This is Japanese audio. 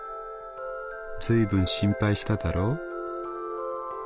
『ずいぶん心配しただろ？』」。